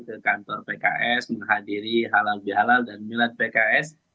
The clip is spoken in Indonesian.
ke kantor pks menghadiri halal bihalal dan minat pks